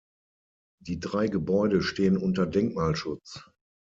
Die drei Gebäude stehen unter Denkmalschutz.